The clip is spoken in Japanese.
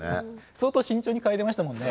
相当慎重にかいでましたもんね！